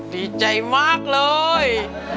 ดีใจมากเลย